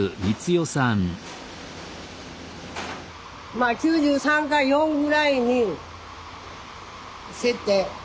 まあ９３か４ぐらいに設定。